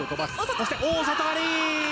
そして大外刈り。